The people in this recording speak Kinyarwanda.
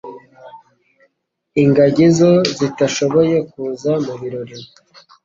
Ingagi zo zitashoboye kuza mu birori.